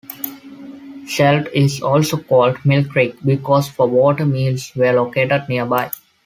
Celt is also called "Mill Creek" because four water mills were located nearby.